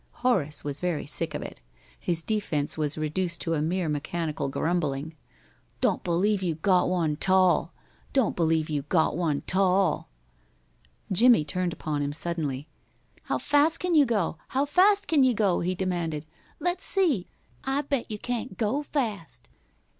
Horace was very sick of it. His defence was reduced to a mere mechanical grumbling: "Don't believe you got one 'tall. Don't believe you got one 'tall." Jimmie turned upon him suddenly. "How fast can you go? How fast can you go?" he demanded. "Let's see. I bet you can't go fast."